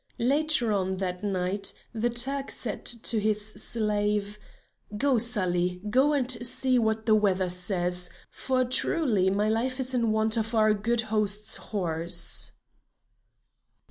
Later on that night, the Turk said to his slave: "Go, Sali, go and see what the weather says, for truly my life is in want of our good host's horse."